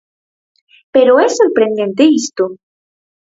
¡Pero é sorprendente isto!